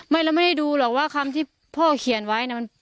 เราไม่ได้ดูหรอกว่าคำที่พ่อเขียนไว้นะ